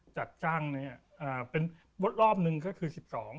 จัดจ้างเป็นรอบหนึ่งก็คือ๑๒